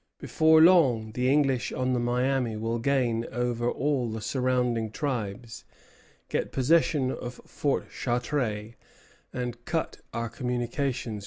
Before long the English on the Miami will gain over all the surrounding tribes, get possession of Fort Chartres, and cut our communications with Louisiana."